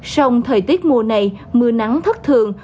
song thời tiết mùa này mưa nắng thất thường